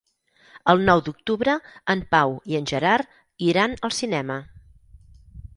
El nou d'octubre en Pau i en Gerard iran al cinema.